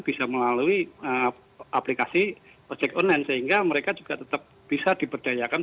bisa melalui aplikasi ojek online sehingga mereka juga tetap bisa diberdayakan